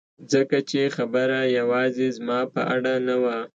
ځکه چې خبره یوازې زما په اړه نه وه